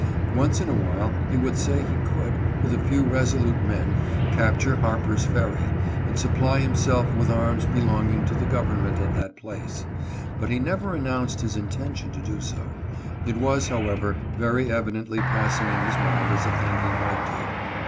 Once in a while he would say he could, with a few resolute men, capture Harper's Ferry, and supply himself with arms belonging to the government at that place ; but he never announced his intention to do so. It was, however, very evidently passing in his mind as a thing he might do.